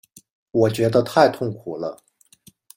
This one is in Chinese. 我觉得太痛苦了